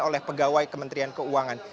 oleh pegawai kementerian keuangan